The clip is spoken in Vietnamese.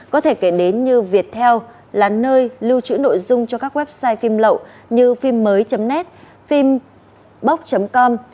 có thể kể đến như viettel là nơi lưu trữ nội dung cho các website phim lậu như phim mới net phimbox com